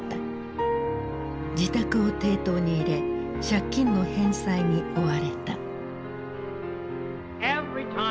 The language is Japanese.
自宅を抵当に入れ借金の返済に追われた。